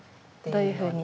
どういうふうに？